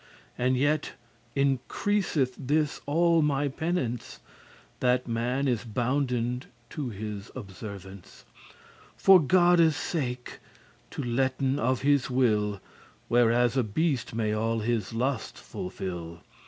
And yet increaseth this all my penance, That man is bounden to his observance For Godde's sake to *letten of his will*, *restrain his desire* Whereas a beast may all his lust fulfil.